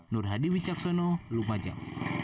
nur hadi wicaksono luma jam